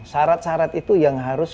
sarat sarat itu yang harus